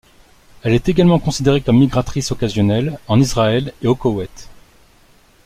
Elle est également considérée comme migratrice occasionnelle en Israël et au Koweït.